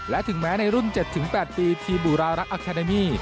และถึงแม้ในรุ่น๗๘ปีทีมบุรารักษ์อาคาเดมี่